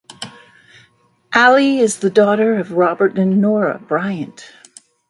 Ali is the daughter of Robert and Nora Bryant.